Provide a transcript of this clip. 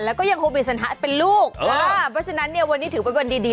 แล้วก็ยังคงมีสัญหาเป็นลูกเพราะฉะนั้นเนี่ยวันนี้ถือเป็นวันดี